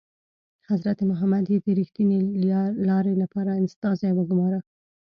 حضرت محمد یې د ریښتینې لارې لپاره استازی وګوماره.